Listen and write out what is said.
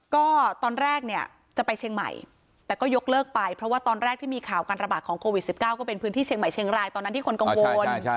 ก็ตอนแรกเนี่ยจะไปเชียงใหม่แต่ก็ยกเลิกไปเพราะว่าตอนแรกที่มีข่าวการระบาดของโควิด๑๙ก็เป็นพื้นที่เชียงใหม่เชียงรายตอนนั้นที่คนกังวล